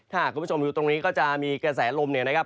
ถ้าคุณผู้ชมอยู่ตรงนี้ก็จะมีกระแสลมเนี่ยนะครับ